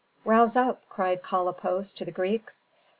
"Rouse up!" cried Kalippos to the Greeks.